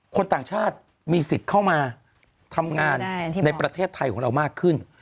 คนต่างชาติมีสิทธิ์เข้ามาทำงานในประเทศไทยของเรามากขึ้น